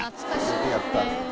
よくやった。